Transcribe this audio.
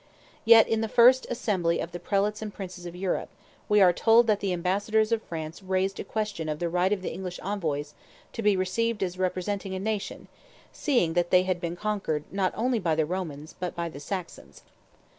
Yet in the first assembly of the Prelates and Princes of Europe, we are told that the ambassadors of France raised a question of the right of the English envoys to be received as representing a nation, seeing that they had been conquered not only by the Romans, but by the Saxons.